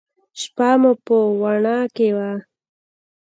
شپه مو په واڼه کښې وه.